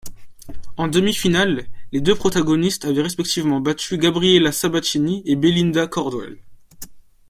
En demi-finale, les deux protagonistes avaient respectivement battu Gabriela Sabatini et Belinda Cordwell.